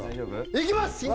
いきます！